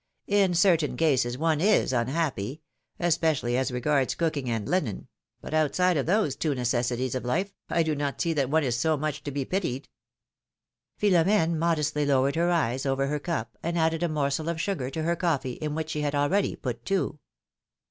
"In cer taiii cases one is unhappy — especially as regards cooking and linen — but outside of those 'two necessities of life, I do not see that one is so much to be pitied !" Philom^ne modestly lowered her eyes over her cup, and added a morsel of sugar to her coffee, in which she had already put two.